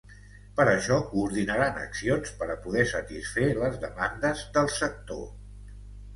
Per això coordinaran accions per a poder satisfer les demandes del sector.